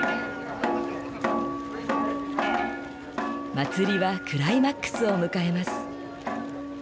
祭りはクライマックスを迎えます。